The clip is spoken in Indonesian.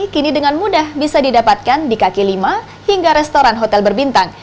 kini dengan mudah bisa didapatkan di kaki lima hingga restoran hotel berbintang